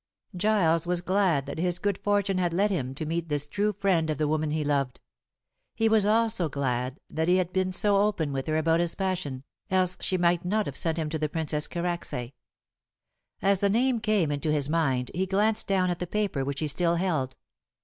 Giles was glad that his good fortune had led him to meet this true friend of the woman he loved. He was also glad that he had been so open with her about his passion, else she might not have sent him to the Princess Karacsay. As the name came into his mind he glanced down at the paper, which he still held.